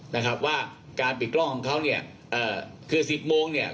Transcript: นะครับว่าการปิดกล้องของเขาเนี่ยเอ่อคือสิบโมงเนี่ย